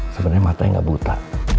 sebenernya matanya gak buta